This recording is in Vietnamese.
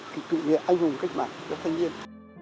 cái kỹ nghệ anh hùng cách mạng cho thanh niên